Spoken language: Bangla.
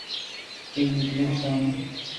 এই বৃত্ত থেকে সরো না।